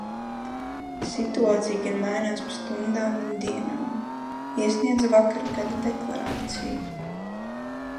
Situācija gan mainās pa stundām un dienām. Iesniedzu vakar gada deklarāciju.